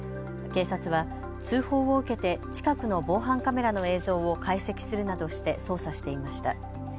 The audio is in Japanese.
警察は通報を受けて近くの防犯カメラの映像を解析するなどして捜査していました。